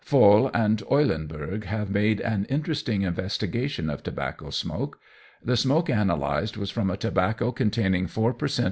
Vohl and Eulenberg have made an interesting investigation of tobacco smoke. The smoke analysed was from a tobacco containing four per cent.